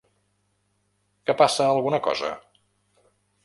Que passa alguna cosa?